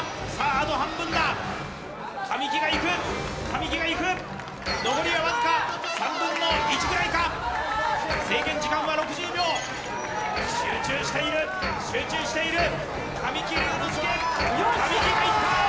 あと半分だ神木が行く神木が行く残りはわずか３分の１ぐらいか制限時間は６０秒集中している集中している神木隆之介神木が行ったー！